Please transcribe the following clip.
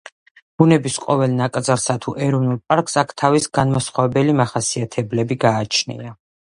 ბუნების ყოველ ნაკრძალსა თუ ეროვნულ პარკს აქ თავის განმასხვავებელი მახასიათებლები გააჩნია.